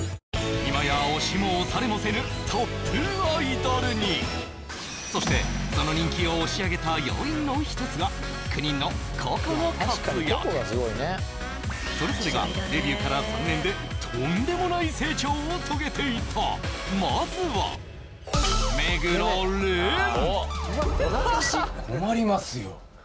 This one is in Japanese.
今や押しも押されもせぬトップアイドルにそしてその人気を押し上げた要因の１つが９人の個々の活躍それぞれがデビューから３年でとんでもない成長を遂げていたまずは困りますよ